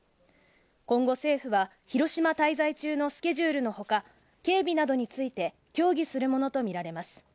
今後、政府は広島滞在中のスケジュールのほか、警備などについて協議するものとみられます。